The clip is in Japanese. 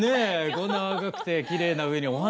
こんな若くてきれいな上にお花